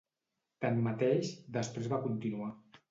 Tanmateix, després va continuar.